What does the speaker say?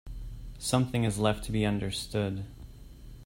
Something is left to be understood.